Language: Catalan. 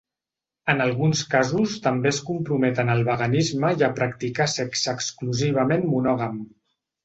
En alguns casos també es comprometen al veganisme i a practicar sexe exclusivament monògam.